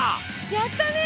やったね。